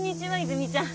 泉ちゃん。